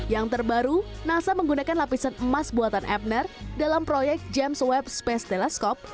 yang terbaru nasa menggunakan lapisan emas buatan ebner dalam proyek james webb space telescope